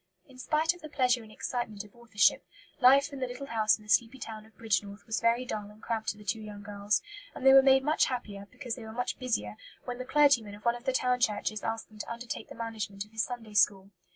In spite of the pleasure and excitement of authorship, life in the little house in the sleepy town of Bridgnorth was very dull and cramped to the two young girls; and they were made much happier, because they were much busier, when the clergyman of one of the town churches asked them to undertake the management of his Sunday school.